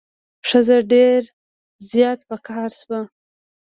ښځه ډیر زیات په قهر شوه.